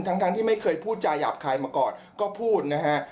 ทั้งที่ไม่เคยพูดจาหยาบคายมาก่อนก็พูดนะฮะ